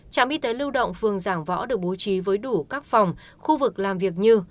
trạm y tế lưu động phường giảng võ được bố trí với đủ các phòng khu vực làm việc như